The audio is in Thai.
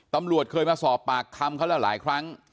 ตำรวจเคยมาสอบปากคำเขาแล้วหลายครั้ง